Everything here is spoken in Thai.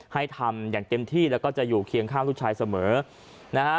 ให้ทำอย่างเต็มที่แล้วก็จะอยู่เคียงข้างลูกชายเสมอนะฮะ